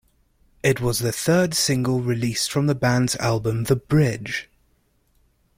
It was the third single released from the band's album "The Bridge".